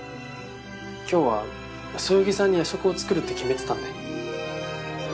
今日はそよぎさんに夜食を作るって決めてたんで。